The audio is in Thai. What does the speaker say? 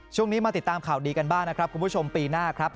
ช่วงนี้มาติดตามข่าวดีกันบ้างนะครับคุณผู้ชมปีหน้าครับ